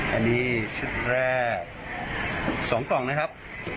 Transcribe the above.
อันนี้ชุดแรก๒กล่องนะครับ